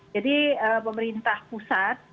jadi pemerintah pusat